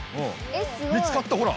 見つかったほら。